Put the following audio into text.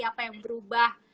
apa yang berubah